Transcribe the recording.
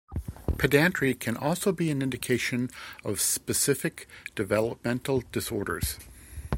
Pedantry can also be an indication of specific developmental disorders.